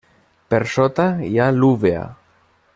Per sota hi ha l'úvea.